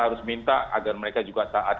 harus minta agar mereka juga taat